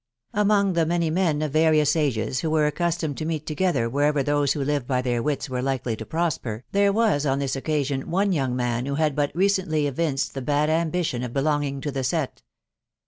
Among the many men of various ages who were ajpnatpaaed to meet together wherever those who live by .their wits wers likely to prosper, there was on this occasion one young man who had but recently evinced the bad ambition of belonging to the set.